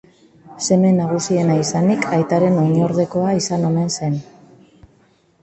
Seme nagusiena izanik aitaren oinordekoa izan omen zen.